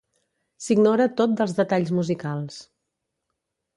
S'ignora tot dels detalls musicals.